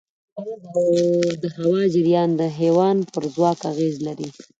باد او د هوا جریان د حیوان پر ځواک اغېز لري.